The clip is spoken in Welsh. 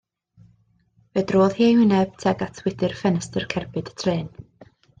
Fe drodd hi ei hwyneb tuag at wydr ffenest cerbyd y trên.